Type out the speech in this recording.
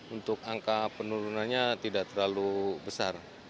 untuk angka penurunannya tidak terlalu besar